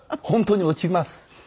本当に落ちます。